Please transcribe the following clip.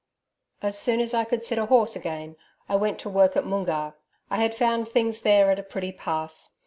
] As soon as I could sit a horse again I went to work at Moongarr. I had found things there at a pretty pass.